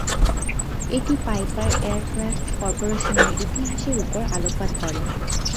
এটি Piper Aircraft কর্পোরেশনের ইতিহাসের উপর আলোকপাত করে।